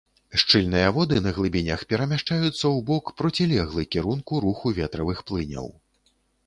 Шчыльныя воды на глыбінях перамяшчаюцца ў бок, процілеглы кірунку руху ветравых плыняў.